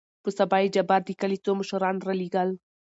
په سبا يې جبار دکلي څو مشران رالېږل.